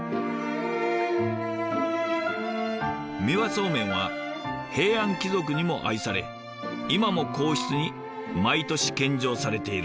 三輪そうめんは平安貴族にも愛され今も皇室に毎年献上されているんです。